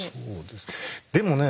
でもね